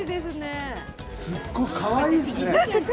すごいかわいいですね。